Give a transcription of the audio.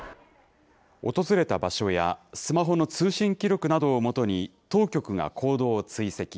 訪れた場所やスマホの通信記録などをもとに、当局が行動を追跡。